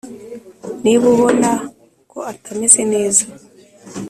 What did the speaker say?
niba ubona ko atameze neza